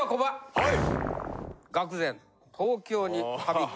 はい。